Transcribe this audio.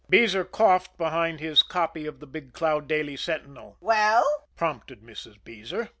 Beezer coughed behind his copy of the Big Cloud Daily Sentinel. "Well?" prompted Mrs. Beezer.